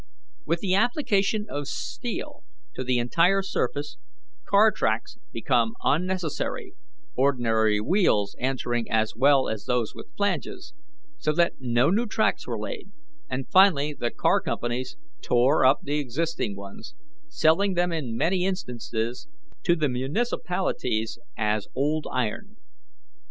"With the application of steel to the entire surface, car tracks became unnecessary, ordinary wheels answering as well as those with flanges, so that no new tracks were laid, and finally the car companies tore up the existing ones, selling them in many instances to the municipalities as old iron.